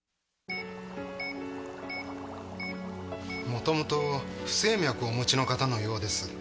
元々不整脈をお持ちの方のようです。